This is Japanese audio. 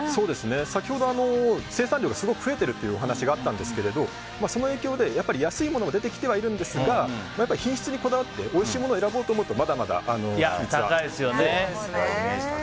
先ほど生産量が増えているというお話があったんですがその影響で安いものが出てきてはいるんですが品質にこだわっておいしいものを選ぼうと思うと高いですよね。